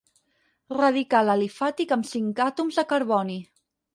Radical alifàtic amb cinc àtoms de carboni.